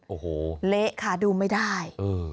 โอ้โหเละค่ะดูไม่ได้